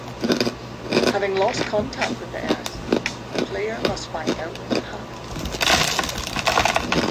Having lost contact with the Earth, the player must find out what happened.